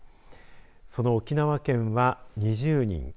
その沖縄県は２０人。